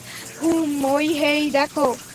হুমম, ওহ হেই, দেখো।